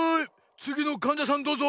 つぎのかんじゃさんどうぞ。